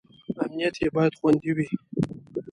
امنیت یې باید خوندي وي.